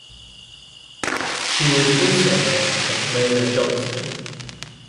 She was also known as Mona Johnston.